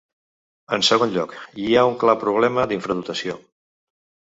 En segon lloc, hi ha un clar problema d’infradotació.